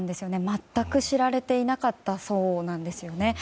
全く知られていなかったそうなんです。